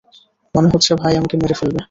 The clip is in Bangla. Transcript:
মনে হচ্ছে ভাই আমাকে মেরে ফেলবে।